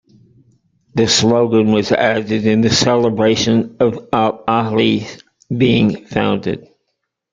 The slogan was added in the celebration of Al Ahly being founded.